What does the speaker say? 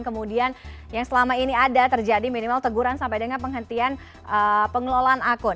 kemudian yang selama ini ada terjadi minimal teguran sampai dengan penghentian pengelolaan akun